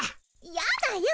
やだよ